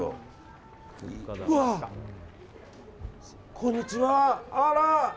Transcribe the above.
こんにちは、あら！